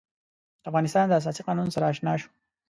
د افغانستان د اساسي قانون سره آشنا شو.